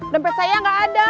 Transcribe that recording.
dempet saya gak ada